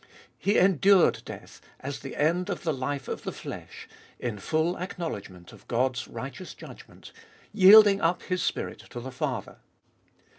He endured death as the end of the life of the flesh, in full acknowledgment of God's righteous judgment, yielding up His spirit to the Father.